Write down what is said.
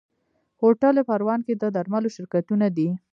هوټل پروان کې د درملو شرکتونه دي.